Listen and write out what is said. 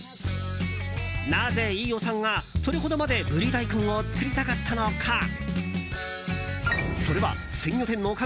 なぜ飯尾さんがそれほどまでブリ大根を作りたかったのか。